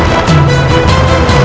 jangan lupa untuk berlangganan